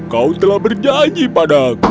kau telah berjanji padaku